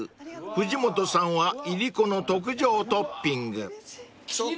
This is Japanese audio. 藤本さんはいりこの特上トッピング］奇麗！